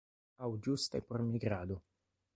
Aŭ ĝuste por migrado.